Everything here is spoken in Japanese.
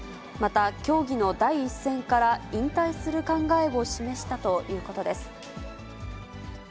また、競技の第一線から引退する考えを示したということです。